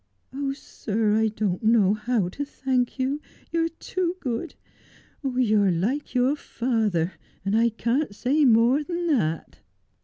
' Oh, sir, I don't know how to thank you. You are too good. You are like your father. I can't say more than that.'